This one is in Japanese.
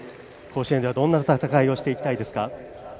甲子園ではどんな戦いをしていきたいですか？